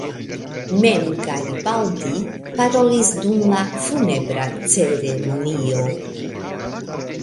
Mem Garibaldi parolis dum la funebra ceremonio.